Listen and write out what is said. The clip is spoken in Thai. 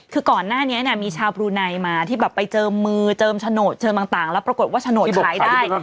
คือก่อนหน้านี้มีชาวบรูไนมาที่แบบไปเจิมมือเจิมโฉนดเชิมต่างแล้วปรากฏว่าโฉนดขายได้